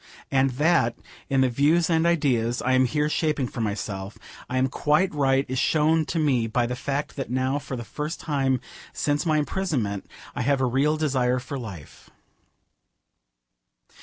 And that, in the views and ideas I am here shaping for myself, I am quite right is shown to me by the fact that now for the first time since my imprisonment I have a real desire for life.